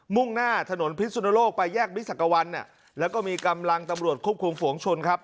มุ่งหน้าถนนพิษสุณโลกไปแยกมิถศักรวัลแล้วก็มีกำลังตำรวจควบคลุมฝงชนครับ